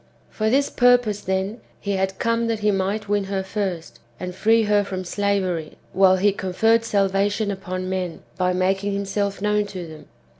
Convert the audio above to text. For this purpose, then, he had come that he might win her first, and free her from slavery, while he conferred salvation upon men, by making himself known to them.